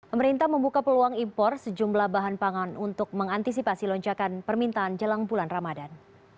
pemerintah membuka peluang impor sejumlah bahan pangan untuk mengantisipasi lonjakan permintaan jelang bulan ramadan